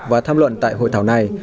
và tham luận tại hội thảo này